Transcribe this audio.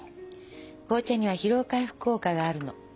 紅茶には疲労回復効果があるの。